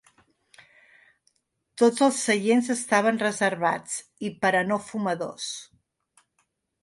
Tots els seients estaven reservats i per a no fumadors.